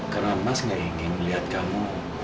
karena mas gak ingin melihat kamu